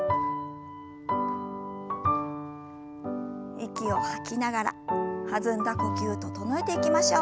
息を吐きながら弾んだ呼吸整えていきましょう。